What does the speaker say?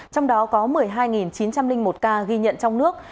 trong đó có một mươi hai chín trăm linh một ca ghi nhận trong nước